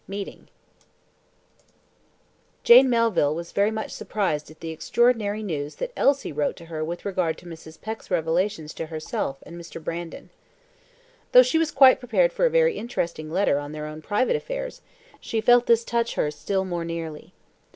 Meeting Jane Melville was very much surprised at the extraordinary news that Elsie wrote to her with regard to Mrs. Peck's revelations to herself and Mr. Brandon. Though she was quite prepared for a very interesting letter on their own private affairs, she felt this touch her still more nearly.